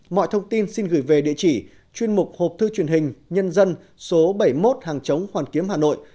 mọi thông tin xin gửi về địa chỉ chuyên mục hộp thư truyền hình nhân dân số bảy mươi một hàng chống hoàn kiếm hà nội